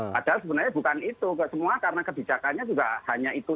padahal sebenarnya bukan itu semua karena kebijakannya juga hanya itu